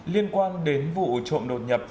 liên quan đến vụ trộm đột nhập